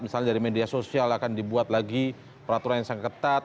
misalnya dari media sosial akan dibuat lagi peraturan yang sangat ketat